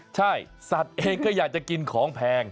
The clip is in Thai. ใช่สัตว์เองก็อยากจะกินของแพง